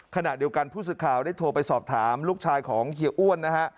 ขณะเดียวกันผู้สื่อข่าวได้โทรไปสอบถามลูกชายของเฮียอ้วนนะฮะ